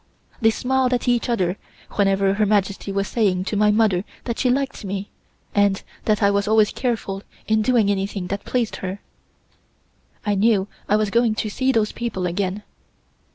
They smiled to each other whenever Her Majesty was saying to my mother that she liked me, and that I was always careful in doing anything that pleased her. I knew I was going to see those people again.